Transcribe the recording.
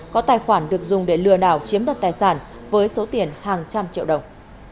có tài khoản được dùng để lừa đảo chiếm đoạt tài sản với số tiền hàng trăm triệu đồng